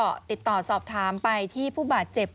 ทีมข่าวไทยรัฐทีวีก็ติดต่อสอบถามไปที่ผู้บาดเจ็บนะคะ